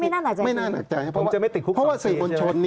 พี่ไม่น่าหนักใจเลยครับผมจะไม่ติดคุกสองเทใช่ไหมครับไม่น่าหนักใจ